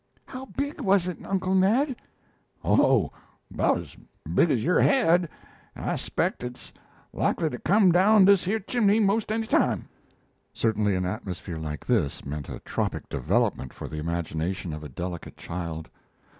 "How big was it, Uncle Ned?" "Oh, 'bout as big as your head, and I 'spect it's likely to come down dis yere chimney 'most any time." Certainly an atmosphere like this meant a tropic development for the imagination of a delicate child.